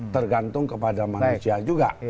tergantung kepada manusia juga